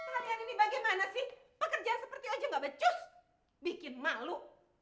kalian ini bagaimana sih pekerjaan seperti ojo gak becus bikin malu